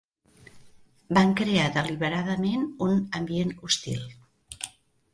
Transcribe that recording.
Van crear deliberadament un ambient hostil.